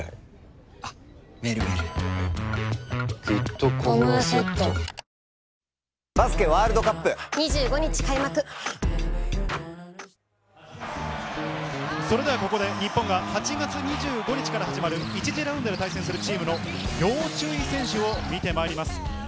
ドンチッチは得点力も目を引それでは、ここで日本が８月２５日から始まる１次ラウンドで対戦するチームの要注意選手を見てみます。